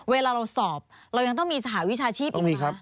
เวลาเราสอบเรายังต้องมีสหวิชาชีพอีกไหมคะ